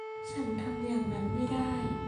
ฉันทำอย่างนั้นไม่ได้